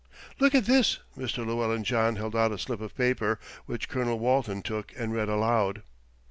"Look at this." Mr. Llewellyn John held out a slip of paper, which Colonel Walton took and read aloud.